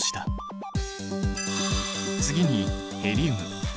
次にヘリウム。